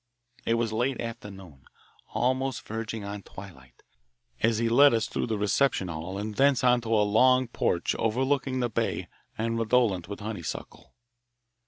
It was late afternoon, almost verging on twilight, as he led us through the reception hall and thence onto a long porch overlooking the bay and redolent with honeysuckle.